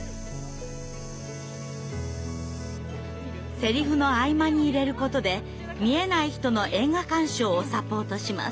セリフの合間に入れることで見えない人の映画鑑賞をサポートします。